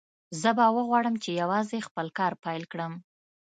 زه به وغواړم چې یوازې خپل کار پیل کړم